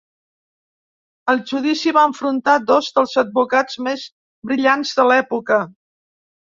El judici va enfrontar dos dels advocats més brillants de l'època.